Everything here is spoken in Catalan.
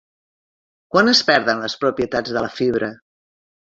Quan es perden les propietats de la fibra?